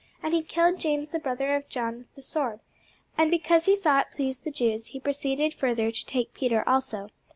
And he killed James the brother of John with the sword. And because he saw it pleased the Jews, he proceeded further to take Peter also.